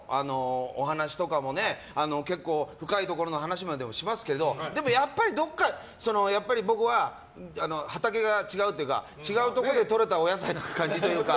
お話とかも結構深いところの話までしますけどでもやっぱりどこか僕は畑が違うというか違うところでとれたお野菜の感じというか。